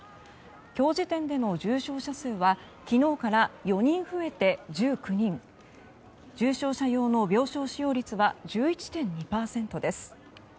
今日時点での重症者数は昨日から４人増えて１９人重症者用の病床使用率は１１．２％です。